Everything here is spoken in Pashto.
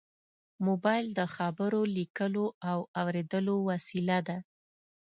موبایل د خبرو، لیکلو او اورېدو وسیله ده.